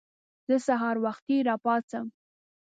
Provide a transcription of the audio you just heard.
زه سهار وختي راپاڅم.